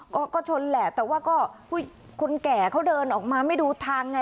ก็ชนแหละแต่ว่าก็คนแก่เขาเดินออกมาไม่ดูทางไง